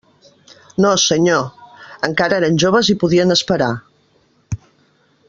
No, senyor; encara eren joves i podien esperar.